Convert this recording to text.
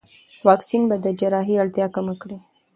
واکسین به د جراحي اړتیا کم کړي.